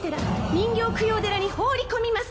人形供養寺に放り込みます！